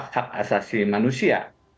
hak asasi manusia